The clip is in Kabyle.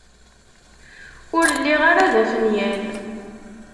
Ur lliɣ ara d afenyan.